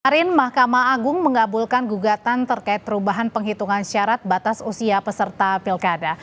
kemarin mahkamah agung mengabulkan gugatan terkait perubahan penghitungan syarat batas usia peserta pilkada